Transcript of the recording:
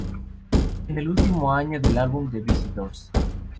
Es el último del álbum The Visitors.